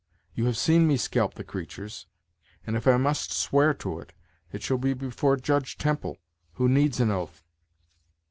You have seen me scalp the creatur's, and if I must swear to it, it shall be before Judge Temple, who needs an oath."